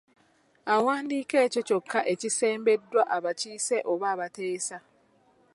Awandiika ekyo kyokka ekisembeddwa abakiise oba abateesa.